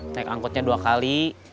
naik angkutnya dua kali